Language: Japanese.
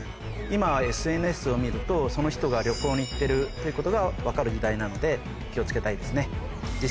今はＳＮＳを見るとその人が。ということが分かる時代なので気を付けたいですね。